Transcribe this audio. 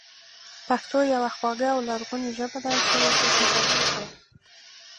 پښتو يوه خواږه او لرغونې ژبه ده چې ډېجېټل يې کړو